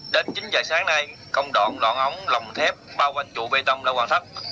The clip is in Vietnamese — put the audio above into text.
đến chính dài sáng nay công đoạn đoạn ống lòng thép bao quanh trụ bê tông đã hoàn thất